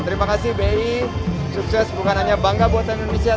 terima kasih bi sukses bukan hanya bangga buatan indonesia